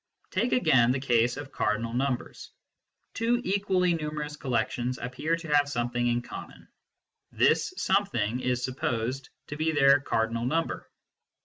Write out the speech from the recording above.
Take again the case of cardinal numbers. Two equally numerous collections appear to have something in common : this something is supposed to be their car dinal number.